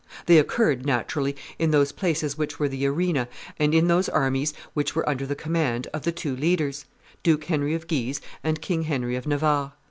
They occurred, naturally, in those places which were the arena, and in those armies which were under the command, of the two leaders, Duke Henry of Guise and King Henry of Navarre.